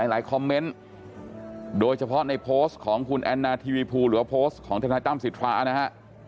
คอมเมนต์โดยเฉพาะในโพสต์ของคุณแอนนาทีวีภูหรือว่าโพสต์ของทนายตั้มสิทธานะฮะ